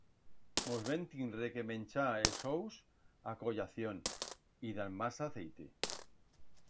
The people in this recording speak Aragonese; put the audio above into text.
Mos vem tinre que menchar els ous a collación y dan masa aceite.